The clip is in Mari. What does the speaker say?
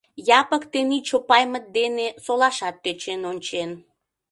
Япык тений Чопаймыт дене солашат тӧчен ончен.